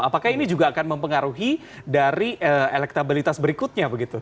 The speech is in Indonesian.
apakah ini juga akan mempengaruhi dari elektabilitas berikutnya begitu